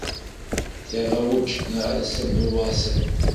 Тягъэупчӏ мыӏэрысэм ыуасэ.